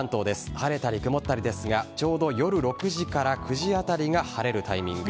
晴れたり曇ったりですがちょうど夜６時から９時あたりが晴れるタイミング。